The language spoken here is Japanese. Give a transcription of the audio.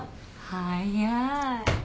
早い。